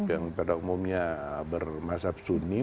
yang pada umumnya bermasyarakat sunni